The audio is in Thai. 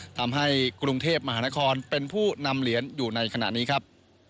ทำให้กรุงเทพมหานครเป็นผู้นำเหรียญอยู่ในขณะนี้ครับ